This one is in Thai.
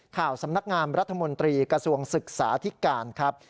สำนักงามรัฐมนตรีกระทรวงศึกษาที่การครับ